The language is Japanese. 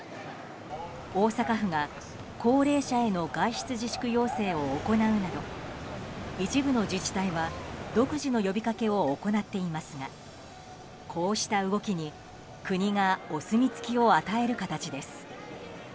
大阪府が高齢者への外出自粛要請を行うなど一部の自治体は独自の呼びかけを行っていますがこうした動きに国がお墨付きを与える形です。